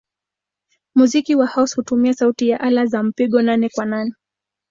Muziki wa house hutumia sauti ya ala za mapigo nane-kwa-nane.